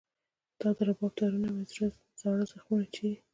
ستا د رباب تارونه مې زاړه زخمونه چېړي